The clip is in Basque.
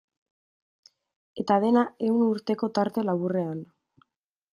Eta dena ehun urteko tarte laburrean.